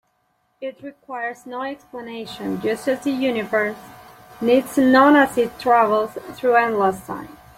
It required no explanation, just as the universe needs none as it travels through endless time.